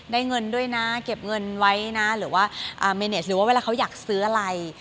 เงินด้วยนะเก็บเงินไว้นะหรือว่าเมเนสหรือว่าเวลาเขาอยากซื้ออะไร